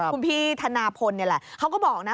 คุณพี่ธนาพลนี่แหละเขาก็บอกนะ